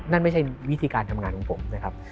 นั่นไม่ใช่วิธีการทำงานของผมนะครับ